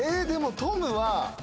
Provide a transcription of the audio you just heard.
でもトムは。